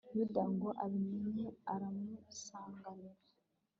yuda ngo abimenye aramusanganira